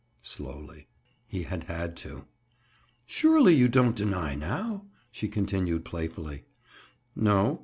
Slowly. He had had to. "Surely you don't deny now?" she continued playfully. "No."